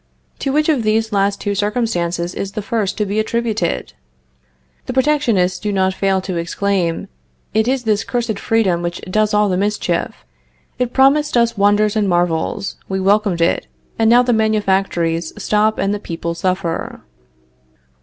To which of these last two circumstances is the first to be attributed? The protectionists do not fail to exclaim: "It is this cursed freedom which does all the mischief. It promised us wonders and marvels; we welcomed it, and now the manufactories stop and the people suffer."